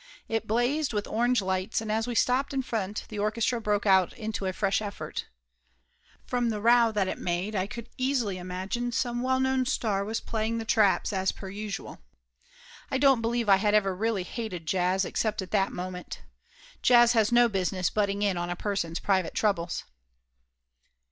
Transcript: It blazed with orange lights, and as we stopped in front the orchestra broke out into a fresh effort. From the row that it made I could easily imagine some well known star was playing the traps as per usual. I don't believe I ever really hated jazz except at that moment. Jazz has no business butting in on a person's private troubles.